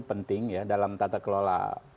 penting ya dalam tata kelola